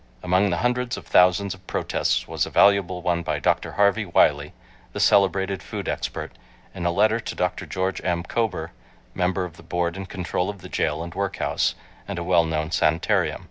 Among the hundreds of thousands of protests was a valuable one by Dr. Harvey Wiley, the celebrated food expert, in a letter to Dr. George M. Kober, member of the Board in control of the jail and workhouse, and a well known sanitarium.